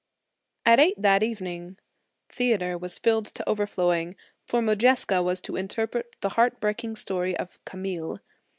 At eight that evening — Theatre was filled to overflowing, for Modjeska was to interpret the heart breaking story of "Camille."